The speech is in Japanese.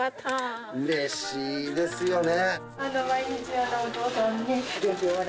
うれしいですよね。